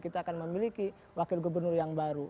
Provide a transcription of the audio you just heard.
kita akan memiliki wakil gubernur yang baru